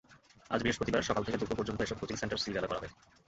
আজ বৃহস্পতিবার সকাল থেকে দুপুর পর্যন্ত এসব কোচিং সেন্টার সিলগালা করা হয়।